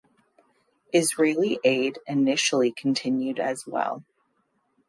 Israeli aid initially continued as well.